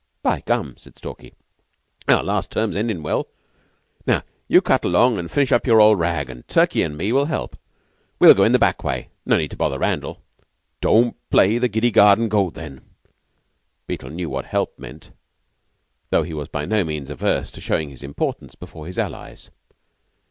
"By Gum!" said Stalky. "Our last term's endin' well. Now you cut along an' finish up your old rag, and Turkey and me will help. We'll go in the back way. No need to bother Randall." "Don't play the giddy garden goat, then?" Beetle knew what help meant, though he was by no means averse to showing his importance before his allies.